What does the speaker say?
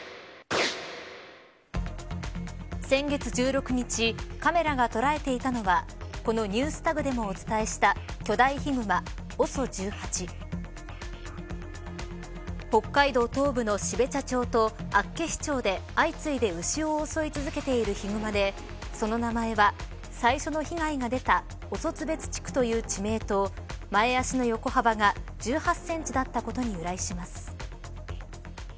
先月１６日カメラが捉えていたのはこのＮｅｗｓＴａｇでもお伝えした巨大ヒグマ、ＯＳＯ１８。北海道東部の標茶町と厚岸町で相次いで牛を襲い続けているヒグマでその名前は最初の被害が出たオソツベツ地区という地名と前足の横幅が１８センチだったことに由来します。